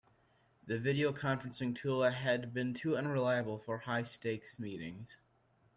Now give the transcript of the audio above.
The video conferencing tool had been too unreliable for high-stakes meetings.